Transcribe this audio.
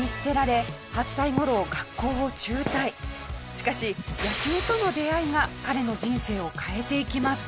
しかし野球との出会いが彼の人生を変えていきます。